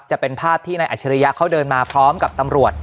จะเป็นภาพที่นายอัจฉริยะเขาเดินมาพร้อมกับตำรวจ